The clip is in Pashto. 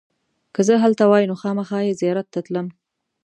که زه هلته وای نو خامخا یې زیارت ته تلم.